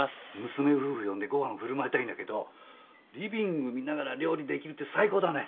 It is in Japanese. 娘夫婦呼んでご飯振る舞いたいんだけどリビング見ながら料理できるって最高だね。